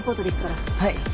はい。